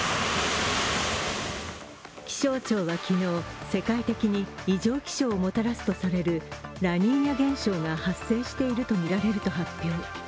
気象庁は昨日、世界的に異常気象をもたらすとされるラニーニャ現象が発生しているとみられると発表。